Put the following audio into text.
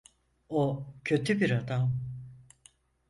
O kötü bir adam.